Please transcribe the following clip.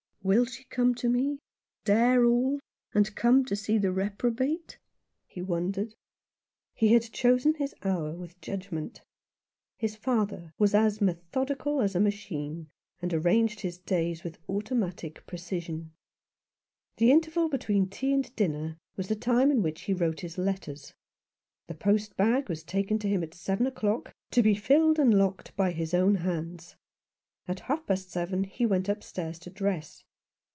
"Will she come to me — dare all — and come to see the reprobate ?" he wondered. He had chosen his hour with judgment His father was as methodical as a machine, and arranged his days with automatic precision. The interval between tea and dinner was the time in which he wrote his letters. The post bag was taken to him at seven o'clock to be filled and locked by his own hands. At half past seven he went upstairs to dress.